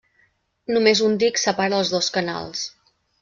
Només un dic separa els dos canals.